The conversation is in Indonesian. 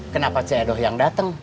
kenapa ce edo yang dateng